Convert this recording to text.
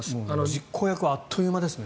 実行役はあっという間ですね。